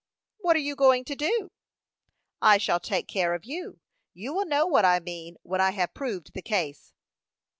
"What are you going to do?" "I shall take care of you; you will know what I mean when I have proved the case."